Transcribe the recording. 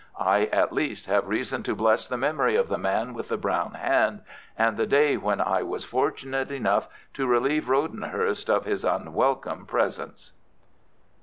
I at least have reason to bless the memory of the man with the brown hand, and the day when I was fortunate enough to relieve Rodenhurst of his unwelcome presence.